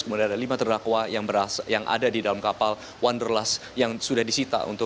kemudian ada lima terdakwa yang ada di dalam kapal wonderlas yang sudah disita